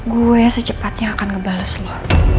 gue secepatnya akan ngebales loh